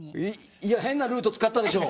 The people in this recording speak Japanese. いや変なルート使ったでしょう？